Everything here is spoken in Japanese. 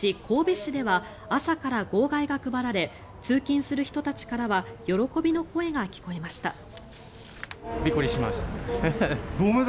神戸市では朝から号外が配られ通勤する人たちからは喜びの声が聞こえました。